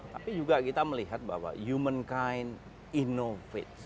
tapi juga kita melihat bahwa humankind innovate